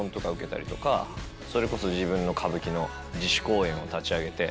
それこそ自分の歌舞伎の自主公演を立ち上げて。